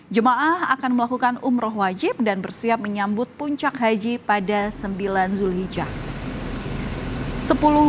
jemaah akan melakukan umroh wajib dan bersiap menyambut puncak haji pada sembilan zulhijjah